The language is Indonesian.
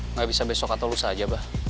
nggak bisa besok atau lusa aja